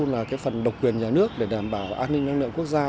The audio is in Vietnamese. là cái phần độc quyền nhà nước để đảm bảo an ninh năng lượng quốc gia